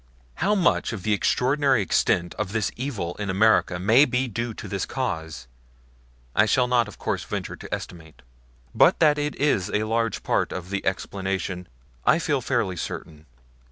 How much of the extraordinary extent of this evil in America may be due to this cause, I shall of course not venture to estimate; but that it is a large part of the explanation, I feel fairly certain.